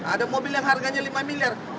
ada mobil yang harganya lima miliar